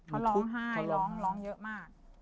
เขาร้องไห้ร้องร้องเยอะมาก